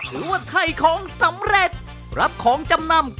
หรือว่าไถของสำเร็จ